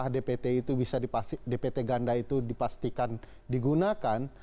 dpt ganda itu dipastikan digunakan